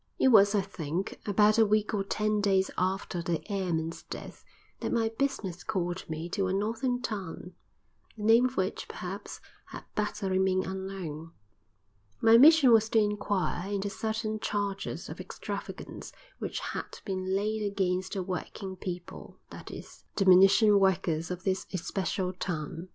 It was, I think, about a week or ten days after the airman's death that my business called me to a northern town, the name of which, perhaps, had better remain unknown. My mission was to inquire into certain charges of extravagance which had been laid against the working people, that is, the munition workers of this especial town.